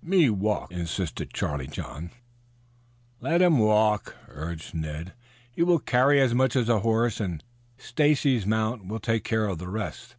"Me walk," insisted Charlie John. "Let him walk," urged Ned. "He will carry as much as a horse, and Stacy's mount will take care of the rest."